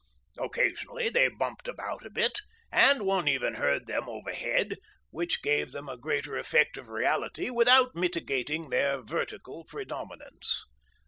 Occasionally they bumped about a bit and one even heard them overhead, which gave them a greater effect of reality without mitigating their vertical predominance.